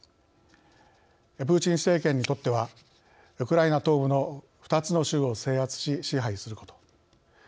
プーチン政権にとってはウクライナ東部の２つの州を制圧し支配すること。